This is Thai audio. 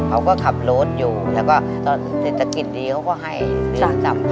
เขาก็ขับรถอยู่แล้วก็ตอนเศรษฐกิจดีเขาก็ให้ซื้อประจำ